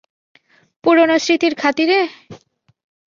পুরনো স্মৃতির খাতিরে?